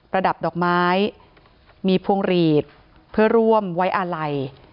ระดับดอกไม้มีพวงหลีดเพื่อร่วมไว้อาลัย